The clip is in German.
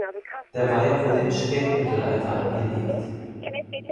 Der Weiher wurde im Spätmittelalter angelegt.